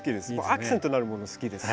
アクセントになるもの好きです。